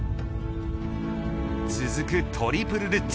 続くトリプルルッツ。